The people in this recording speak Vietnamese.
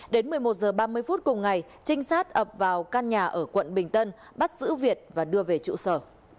đến một mươi một h ba mươi phút cùng ngày trinh sát ập vào căn nhà ở quận bình tân bắt giữ việt và đưa về trụ sở